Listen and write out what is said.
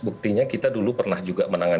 buktinya kita dulu pernah juga menangani